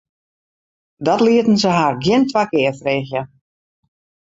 Dat lieten se har gjin twa kear freegje.